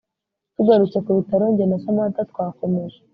Tugarutse kubitaro njye na Samantha twakomeje